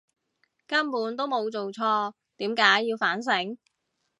根本都冇做錯，點解要反省！